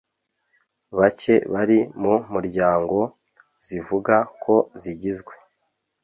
bake bari mu muryango, zivuga ko zigizwe